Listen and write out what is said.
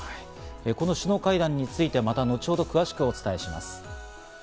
この首脳会談についてはまた後ほど、詳しくお伝えします。